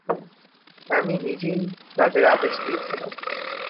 আমি নিজেই তাদের আদেশ দিয়েছিলাম।